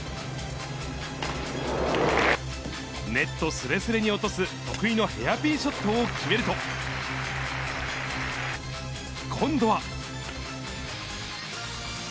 ネットすれすれに落とす得意のヘアピンショットを決めると、今度は。